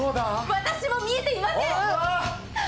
私も見ていません！